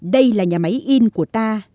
đây là nhà máy in của ta